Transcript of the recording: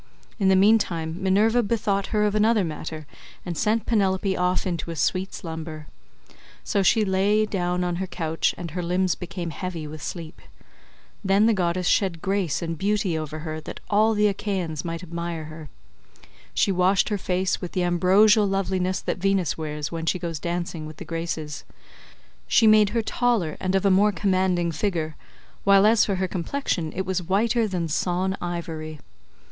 In the meantime Minerva bethought her of another matter, and sent Penelope off into a sweet slumber; so she lay down on her couch and her limbs became heavy with sleep. Then the goddess shed grace and beauty over her that all the Achaeans might admire her. She washed her face with the ambrosial loveliness that Venus wears when she goes dancing with the Graces; she made her taller and of a more commanding figure, while as for her complexion it was whiter than sawn ivory.